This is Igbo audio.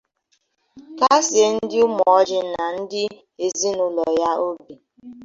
kasìé ndị Ụmụoji na ndị ezinụlọ ya obi